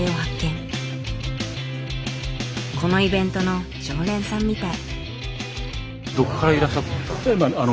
このイベントの常連さんみたい。